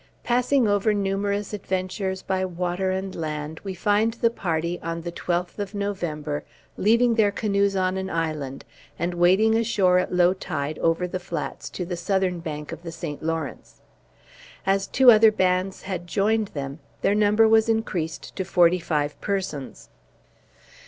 Passing over numerous adventures by water and land, we find the party, on the twelfth of November, leaving their canoes on an island, and wading ashore at low tide over the flats to the southern bank of the St. Lawrence. As two other bands had joined them, their number was increased to forty five persons.